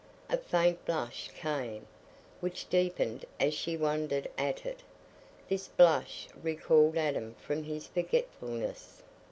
A faint blush came, which deepened as she wondered at it. This blush recalled Adam from his forgetfulness.